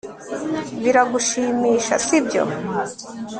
Biragushimisha sibyo